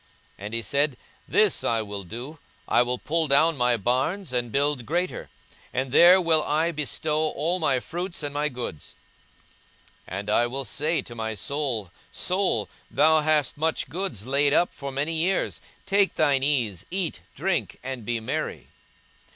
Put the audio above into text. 42:012:018 And he said, This will I do: I will pull down my barns, and build greater; and there will I bestow all my fruits and my goods. 42:012:019 And I will say to my soul, Soul, thou hast much goods laid up for many years; take thine ease, eat, drink, and be merry.